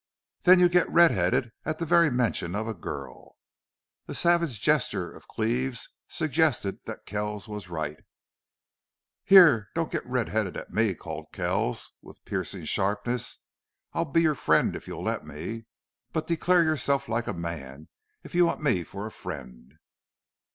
"Then you get red headed at the very mention of a girl." A savage gesture of Cleve's suggested that Kells was right. "Here, don't get red headed at me," called Kells, with piercing sharpness. "I'll be your friend if you let me.... But declare yourself like a man if you want me for a friend!"